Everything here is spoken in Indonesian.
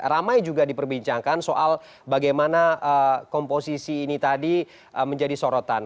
ramai juga diperbincangkan soal bagaimana komposisi ini tadi menjadi sorotan